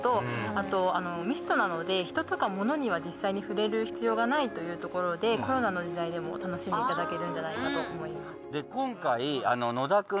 あとミストなので人とか物には実際に触れる必要がないというところでコロナの時代でも楽しんでいただけるんじゃないかと思います